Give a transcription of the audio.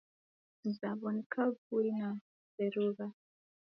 Mzaw'o ni kavui na w'erugha